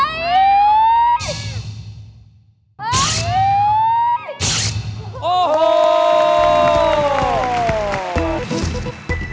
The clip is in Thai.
อาจรู้สึกว่า